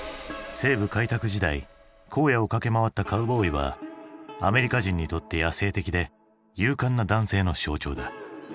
西部開拓時代荒野を駆け回ったカウボーイはアメリカ人にとって野性的で勇敢な男性の象徴だ。